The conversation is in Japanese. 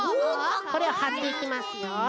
これをはっていきますよ。